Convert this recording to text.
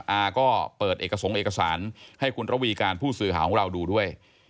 อาก็เปิดเอกสงค์เอกสารให้คุณระวีการผู้สื่อข่าวของเราดูด้วย